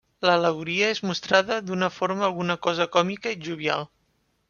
L'al·legoria és mostrada d'una forma alguna cosa còmica i jovial.